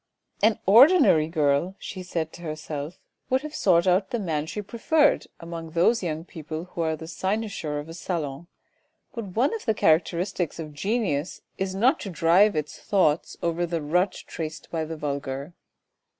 ,c An ordinary girl," she said to herself, " would have sought out the man she preferred among those young people who are the cynosure of a salon ; but one of the characteristics of genius is not to drive its thoughts over the rut traced by the vulgar.